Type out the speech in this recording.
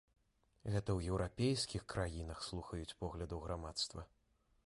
Гэта еўрапейскіх краінах слухаюць поглядаў грамадства.